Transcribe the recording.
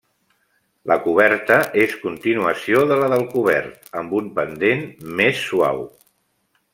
La coberta és continuació de la del cobert, amb un pendent més suau.